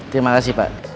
terima kasih pak